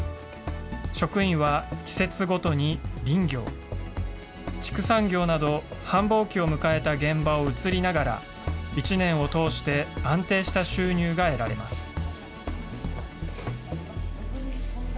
職員は季節ごとに林業、畜産業など繁忙期を迎えた現場を移りながら、１年を通して安定した収入が得られます。